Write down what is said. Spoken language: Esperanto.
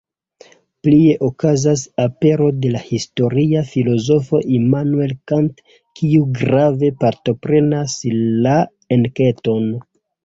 Plie okazas apero de la historia filozofo Immanuel Kant, kiu grave partoprenas la enketon.